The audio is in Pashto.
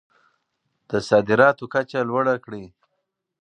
د صادراتو کچه لوړه کړئ.